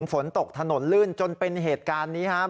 ฝนตกถนนลื่นจนเป็นเหตุการณ์นี้ครับ